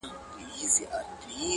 دغه انسان بېشرفي په شرافت کوي-